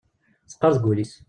Teqqar deg wul-is.